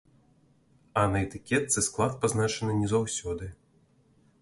А на этыкетцы склад пазначаны не заўсёды.